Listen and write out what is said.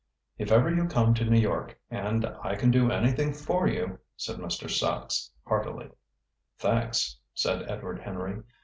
"If ever you come to New York, and I can do anything for you " said Mr. Sachs heartily. "Thanks," said Edward Henry.